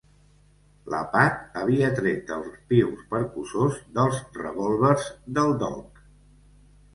La Pat havia tret els pius percussors dels revòlvers del Doc.